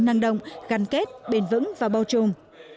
năng động gắn kết bền vững và bao chung